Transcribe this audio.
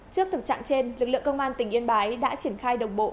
trước thực trạng trên lực lượng công an tỉnh yên bái đã triển khai đồng bộ